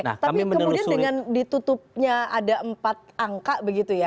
tapi kemudian dengan ditutupnya ada empat angka begitu ya